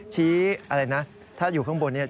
อะไรนะถ้าอยู่ข้างบนเนี่ย